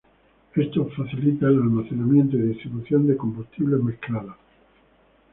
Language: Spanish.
Esto facilita el almacenamiento y distribución de combustibles mezclados.